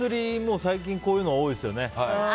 最近こういうの多いですよね。